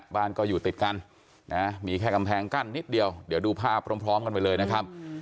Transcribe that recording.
บ้านก็อยู่ติดกันนะมีแค่กำแพงกั้นนิดเดียวเดี๋ยวดูภาพพร้อมกันไปเลยนะครับ